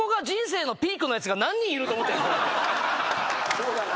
そうだよな。